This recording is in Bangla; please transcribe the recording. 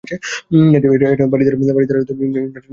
এটা বারিধারা শহরতলীর ইউনাইটেড নেশন্স সড়কে অবস্থিত।